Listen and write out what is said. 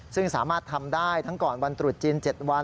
ซึ่งสามารถทำได้ทั้งก่อนวันตรุษจีน๗วัน